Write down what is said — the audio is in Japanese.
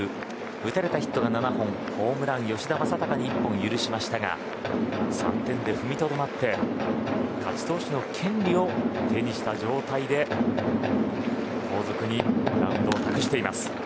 打たれたヒットが７本ホームランを吉田正尚に１本許しましたが３失点で踏みとどまって勝ち投手の権利を手にした状態で後続にマウンドを託しています。